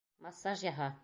Массаж яһа!